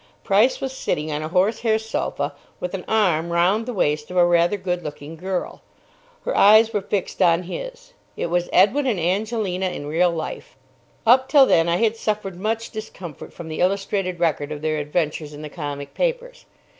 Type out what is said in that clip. Price was sitting on a horse hair sofa with an arm round the waist of a rather good looking girl. Her eyes were fixed on his. It was Edwin and Angelina in real life. Up till then I had suffered much discomfort from the illustrated record of their adventures in the comic papers.